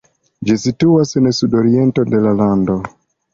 Ĝi situas en sud-oriento de la lando.